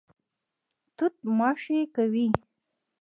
توت ماشې کوي.